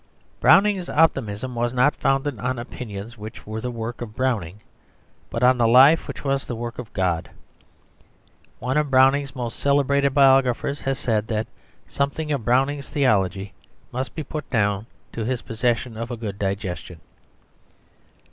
Browning's optimism was not founded on opinions which were the work of Browning, but on life which was the work of God. One of Browning's most celebrated biographers has said that something of Browning's theology must be put down to his possession of a good digestion.